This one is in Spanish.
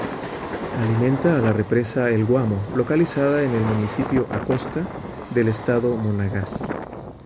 Alimenta a la represa El Guamo localizada en el Municipio Acosta del estado Monagas.